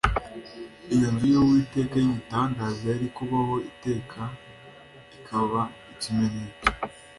iyo nzu y’uwiteka y’igitangaza yari kubaho iteka ikaba ikimenyetso